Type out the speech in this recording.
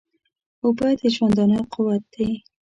اوبه د ژوندانه قوت دي